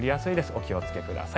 お気をつけください。